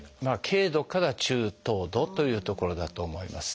軽度から中等度というところだと思います。